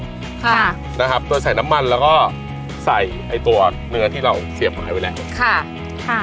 ค่ะนะครับโดยใส่น้ำมันแล้วก็ใส่ไอ้ตัวเนื้อที่เราเสียบไม้ไว้แล้วค่ะค่ะ